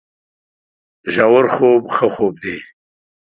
ژورخوب ښه خوب دی